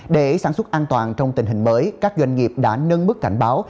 để sản xuất an toàn trong tình hình mới các doanh nghiệp đã nâng bức cảnh báo